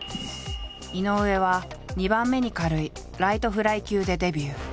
井上は２番目に軽いライトフライ級でデビュー。